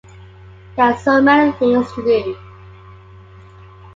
There are so many things to do.